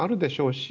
し